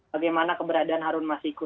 bagaimana keberadaan harun masiku